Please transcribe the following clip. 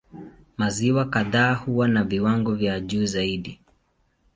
Maziwa kadhaa huwa na viwango vya juu zaidi.